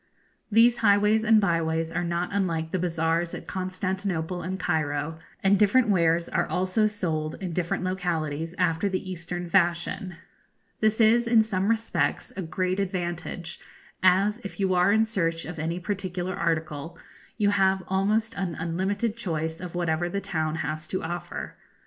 These highways and byways are not unlike the bazaars at Constantinople and Cairo, and different wares are also sold in different localities after the Eastern fashion. This is, in some respects, a great advantage, as, if you are in search of any particular article, you have almost an unlimited choice of whatever the town has to offer.